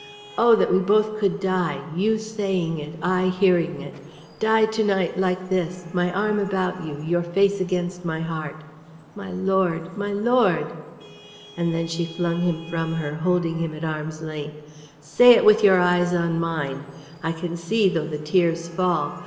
Oh that we both could die, you saying it, I hearing it, die to night, like this, my arm about you, your face against my heart! My lord, my lord!" and then she flung him from her, holding him at arm's length. "Say it with your eyes on mine! I can see though the tears fall.